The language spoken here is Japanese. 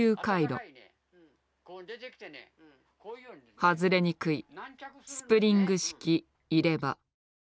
外れにくいスプリング式入れ歯。